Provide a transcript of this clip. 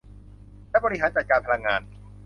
และบริหารจัดการพลังงาน